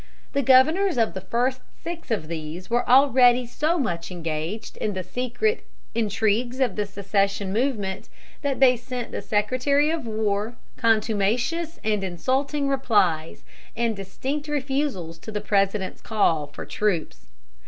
The governors of the first six of these were already so much engaged in the secret intrigues of the secession movement that they sent the Secretary of War contumacious and insulting replies, and distinct refusals to the President's call for troops.